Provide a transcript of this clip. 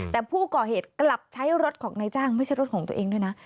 แต่ผู้ก่อเหตุกลับใช้รถของนายจ้างไม่ใช่รถของตัวเองด้วยนะ